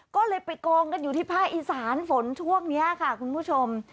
ก็เลยไปกองกันอยู่ที่ภาคอีสานฝนช่วงนี้ค่ะคุณผู้ชม